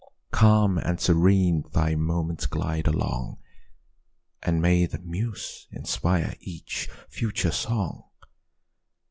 Calm and serene thy moments glide along, And may the muse inspire each future song!